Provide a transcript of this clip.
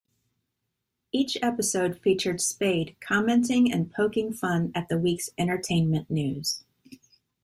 Each episode featured Spade commenting and poking fun at the week's entertainment news.